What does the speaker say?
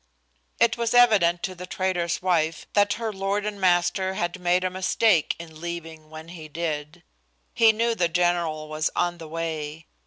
It was evident to the trader's wife that her lord and master had made a mistake in leaving when he did. He knew the general was on the way.